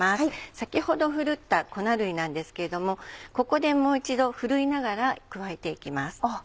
先ほどふるった粉類なんですけれどもここでもう一度ふるいながら加えていきます。